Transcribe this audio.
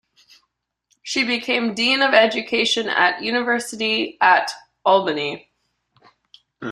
She became Dean of Education at University at Albany.